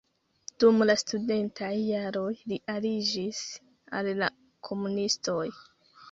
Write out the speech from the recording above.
Dum la studentaj jaroj li aliĝis al la komunistoj.